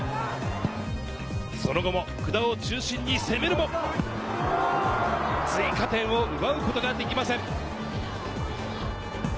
その後も福田を中心に攻めるも、追加点を奪うことができません。